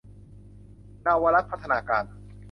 เนาวรัตน์พัฒนาการ